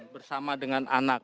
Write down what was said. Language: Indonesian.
bersama dengan anak